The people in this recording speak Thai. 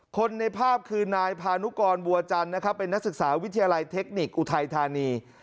คนในภาพคือนายพานุกรบัวจันทร์นะครับเป็นนักศึกษาวิทยาลัยเทคนิคอุทัยธานี